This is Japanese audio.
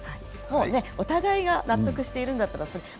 お互いが納得してるんだったら。